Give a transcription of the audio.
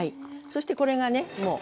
そしてこれがねもう。